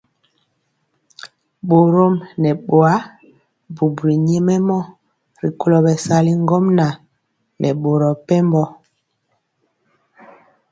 Borɔm nɛ bɔa bubuli nyɛmemɔ rikolo bɛsali ŋgomnaŋ nɛ boro mepempɔ.